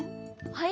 はい？